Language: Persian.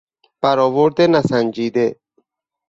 برآورد نسنجیده